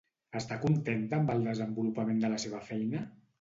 Està contenta amb el desenvolupament de la seva feina?